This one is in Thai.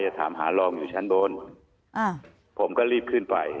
ถามหารองอยู่ชั้นบนผมก็รีบขึ้นไป